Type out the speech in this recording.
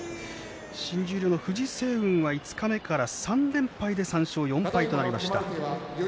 新十両の藤青雲は五日目から３連敗で３勝４敗となりました。